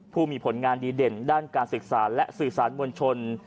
ผู้มีผลงานดีเด่นด้านการศึกษาและสื่อสารมวลชน